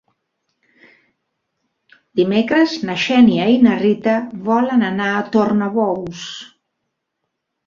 Dimecres na Xènia i na Rita volen anar a Tornabous.